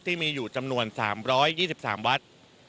ที่มีอยู่จำนวน๓๒๓วัด